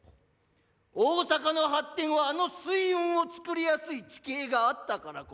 大坂の発展はあの水運をつくりやすい地形があったからこそ。